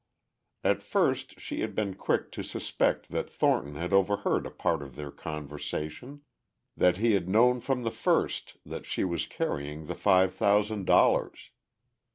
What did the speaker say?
At first she had been quick to suspect that Thornton had overheard a part of their conversation, that he had known from the first that she was carrying the five thousand dollars.